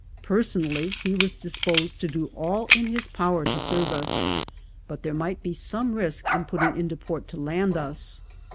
Personally he was disposed to do all in his power to serve us, but there might ~be some risk in putting into port to land us.